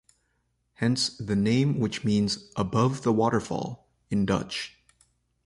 Hence the name which means "above the waterfall" in Dutch.